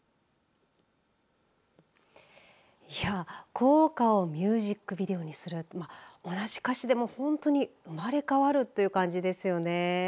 校歌をミュージックビデオにするというのは同じ歌詞でも本当に生まれ変わるという感じですよね。